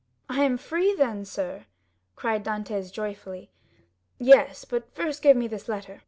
"I am free, then, sir?" cried Dantès joyfully. "Yes; but first give me this letter."